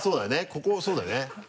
ここそうだよね。